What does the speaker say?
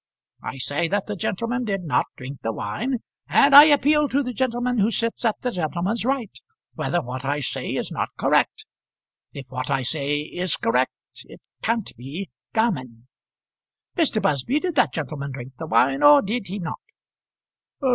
I say that the gentleman did not drink the wine, and I appeal to the gentleman who sits at the gentleman's right, whether what I say is not correct. If what I say is correct, it can't be gammon. Mr. Busby, did that gentleman drink the wine, or did he not?"